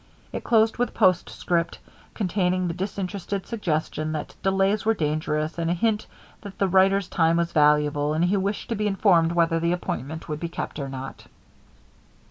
It closed with a postscript containing the disinterested suggestion that delays were dangerous, and a hint that the writer's time was valuable and he wished to be informed whether the appointment would be kept or not.